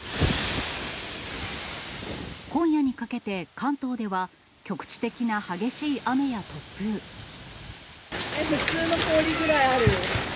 今夜にかけて関東では、え、普通の氷くらいある。